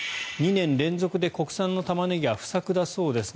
２年連続で国産のタマネギは不作だそうです。